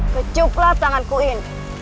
kecuplah tanganku ini